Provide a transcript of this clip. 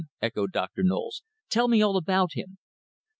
echoed Dr. Knowles. "Tell me about him."